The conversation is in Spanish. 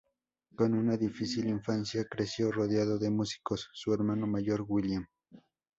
Con una difícil infancia, creció rodeado de músicos: su hermano mayor William Jr.